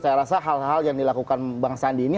saya rasa hal hal yang dilakukan bang sandi ini